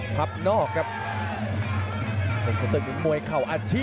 สวัสดิ์นุ่มสตึกชัยโลธสวัสดิ์